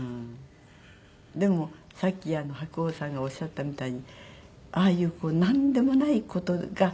でもさっき白鸚さんがおっしゃったみたいにああいうなんでもない事が。